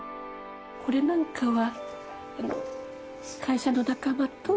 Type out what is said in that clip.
これなんかは。